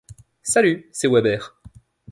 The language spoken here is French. Salut, c’est Weber.